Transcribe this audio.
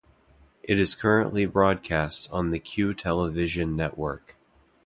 It is currently broadcast on the Q Television Network.